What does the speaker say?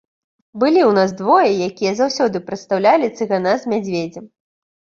Былі ў нас двое, якія заўсёды прадстаўлялі цыгана з мядзведзем.